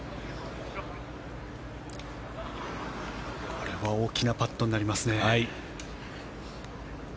これは大きなパットになりますね。